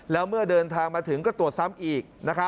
แล้วเมื่อเดินทางมาถึงก็ตรวจซ้ำอีก